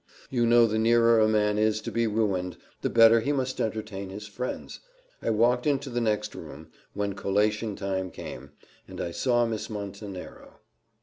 "You know the nearer a man is to being ruined, the better he must entertain his friends. I walked into the next room, when collation time came, and I saw Miss Montenero.